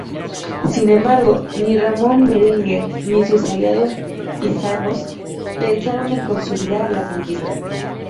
Sin embargo, ni Ramón Berenguer ni sus aliados pisanos pensaron en consolidar la conquista.